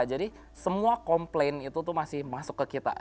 jadi semua komplain itu tuh masih masuk ke kita